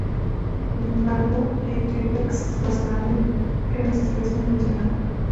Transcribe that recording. Sin embargo, "G. triplex" es más grande que las especies mencionadas.